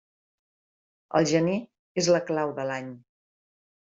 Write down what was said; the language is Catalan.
El gener és la clau de l'any.